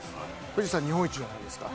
富士山日本一じゃないですか。